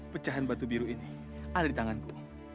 pecahan batu biru ini ada di tanganku